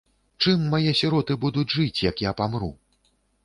Чым мае сіроты будуць жыць, як я памру?